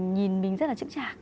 nhìn mình rất là chững chạc